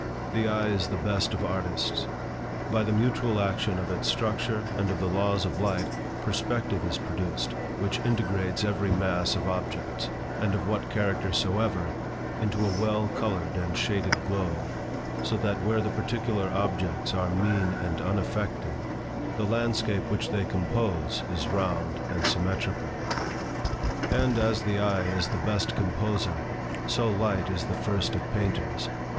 The eye is the best of artists. By the mutual action of its structure and of the laws of light, perspective is produced, which integrates every mass of objects, of what character soever, into a well colored and shaded globe, so that where the particular objects are mean and unaffecting, the landscape which they compose, is round and symmetrical. And as the eye is the best composer, so light is the first of painters.